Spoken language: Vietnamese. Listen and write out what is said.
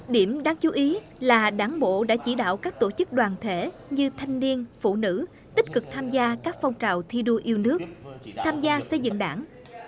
điểm đáng chú ý là đảng bộ đã chỉ đạo các tổ chức đoàn thể như thanh niên phụ nữ tích cực tham gia các phong trào thi đua yêu nước tham gia xây dựng đảng